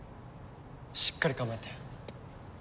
しっかり構えて。